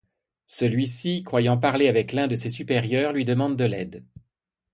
Celui-ci, croyant parler avec l’un de ses supérieurs, lui demande de l'aide.